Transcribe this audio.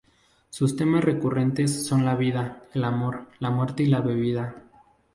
Sus temas recurrentes son la vida, el amor, la muerte y la bebida.